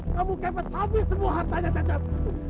kamu kepet habis semua hartanya cacat